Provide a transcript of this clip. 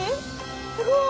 すごい！